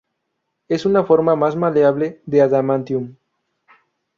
Es una forma más maleable de adamantium.